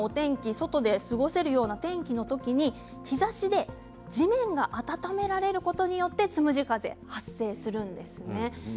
外で過ごせるようなお天気の時に日ざしで地面が温められることによって、つむじ風が発生します。